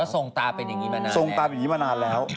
ทรงตาเป็นอย่างนี้มานานทรงตามอย่างนี้มานานแล้ว